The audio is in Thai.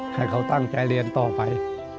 ให้เขาตั้งใจเรียนต่อไป